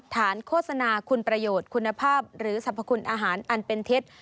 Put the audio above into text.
โฆษณาคุณประโยชน์คุณภาพหรือสรรพคุณอาหารอันเป็นเท็จ